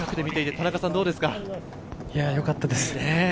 よかったです。